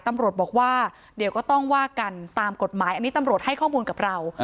ตำรวจบอกว่าเดี๋ยวก็ต้องว่ากันตามกฎหมายอันนี้ตำรวจให้ข้อมูลกับเรา